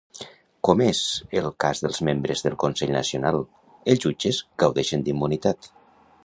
Com és el cas dels membres del Consell Nacional, els jutges gaudeixen d'immunitat.